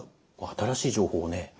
新しい情報をね